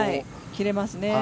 切れますね。